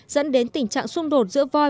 dẫn đến tình trạng xung đột giữa voi